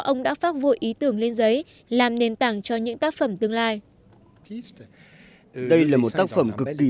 ông đã phát vội ý tưởng lên giấy làm nền tảng cho những tác phẩm tương lai đây là một tác phẩm cực kỳ